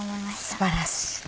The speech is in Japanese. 素晴らしい！